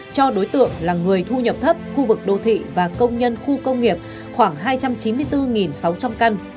cho đối tượng là người thu nhập thấp khu vực đô thị và công nhân khu công nghiệp khoảng hai trăm chín mươi bốn sáu trăm linh căn